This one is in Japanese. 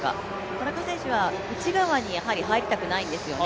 田中選手は内側に入りたくないんですよね。